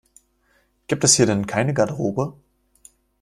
Gibt es hier denn keine Garderobe?